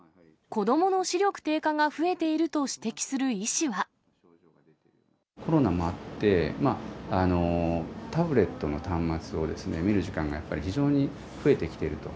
子どもの視力低下が増えていコロナもあって、タブレットの端末をですね、見る時間がやっぱり非常に増えてきていると。